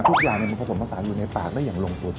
ทุกอย่างมันผสมผสานอยู่ในปากได้อย่างลงตัว